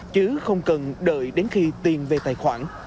chứ không cần đợi đến khi tiền về tài khoản